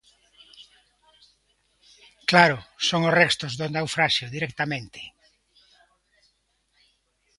Claro, son os restos do naufraxio, directamente.